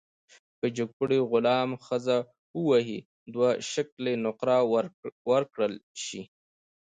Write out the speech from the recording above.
که جګپوړي غلام ښځه ووهي، دوه شِکِله نقره ورکړل شي.